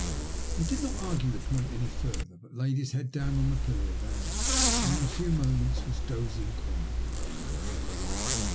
He did not argue the point any further, but laid his head down on his pillow again, and in a few moments was dozing quietly.